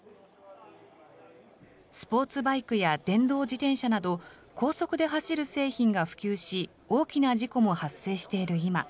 スポーツバイクや電動自転車など高速で走る製品が普及し、大きな事故も発生している今。